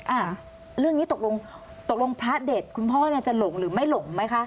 อ่าเรื่องนี้ตกลงตกลงพระเด็ดคุณพ่อเนี่ยจะหลงหรือไม่หลงไหมคะ